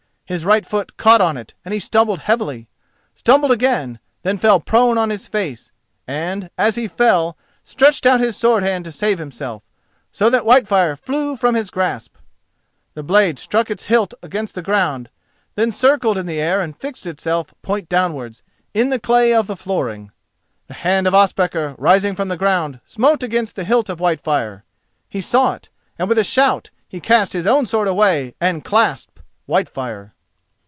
His right foot caught on it, he stumbled heavily—stumbled again, then fell prone on his face, and, as he fell, stretched out his sword hand to save himself, so that Whitefire flew from his grasp. The blade struck its hilt against the ground, then circled in the air and fixed itself, point downwards, in the clay of the flooring. The hand of Ospakar rising from the ground smote against the hilt of Whitefire. He saw it, with a shout he cast his own sword away and clasped Whitefire.